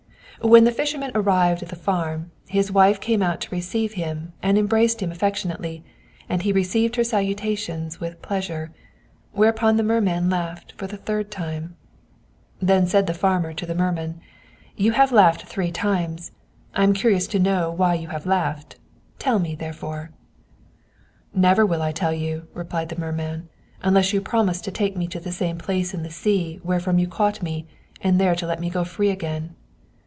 When the fisherman arrived at the farm, his wife came out to receive him, and embraced him affectionately, and he received her salutations with pleasure; whereupon the merman laughed for the third time. Then said the farmer to the merman, "You have laughed three times, and I am curious to know why you have laughed. Tell me, therefore." "Never will I tell you," replied the merman, "unless you promise to take me to the same place in the sea wherefrom you caught me, and there to let me go free again."